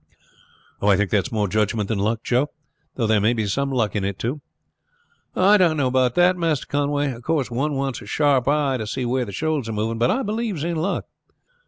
"I think that's more judgment than luck, Joe; though there may be some luck in it too." "I don't know about that, Master Conway. Of course one wants a sharp eye to see where the shoals are moving; but I believes in luck.